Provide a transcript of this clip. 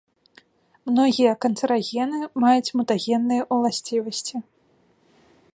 Многія канцэрагены маюць мутагенныя ўласцівасці.